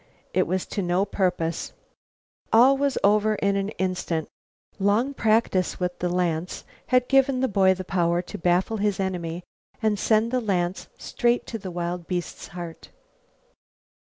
It was to no purpose. All was over in an instant. Long practice with the lance had given the boy power to baffle his enemy and send the lance straight to the wild beast's heart.